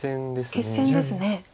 決戦ですね。